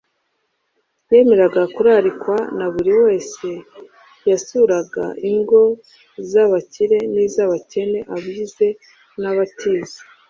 . Yemeraga kurarikwa na buri wese, yasuraga ingo z’abakire n’iz’abakene, abize n’abatize